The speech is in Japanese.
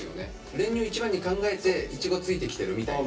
練乳を一番に考えていちごついてきてるみたいな。